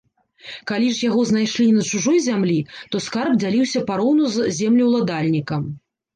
Калі ж яго знайшлі на чужой зямлі, то скарб дзяліўся пароўну з землеўладальнікам.